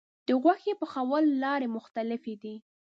د غوښې پخولو لارې مختلفې دي.